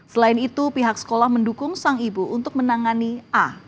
selain itu pihak sekolah mendukung sang ibu untuk menangani a